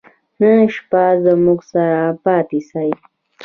نن شپه زموږ سره پاته سئ.